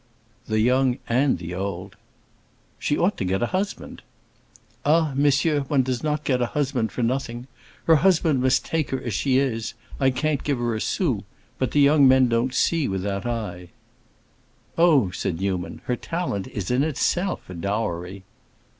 "The young and the old!" "She ought to get a husband." "Ah, monsieur, one doesn't get a husband for nothing. Her husband must take her as she is; I can't give her a sou. But the young men don't see with that eye." "Oh," said Newman, "her talent is in itself a dowry."